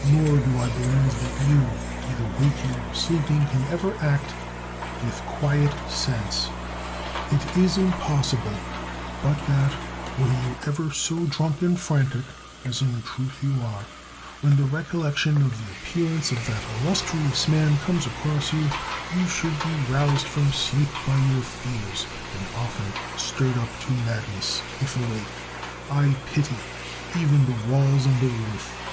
Nor do I believe that you, either wa king or sleeping, can ever act with quiet sense. It is impossible but that, were you ever so drunk 191 THE WORLD'S FAMOUS ORATIONS and frantic — ^as in truth you are — when the recollection of the appearance of that illustrious man comes across you, you should be roused from sleep by your fears, and often stirred up to mad ness if awake. I pity even the walls and the roof.